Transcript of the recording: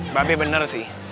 mbak be bener sih